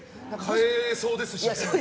買えそうですしね。